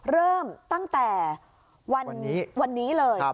เริ่มตั้งแต่วันนี้เลย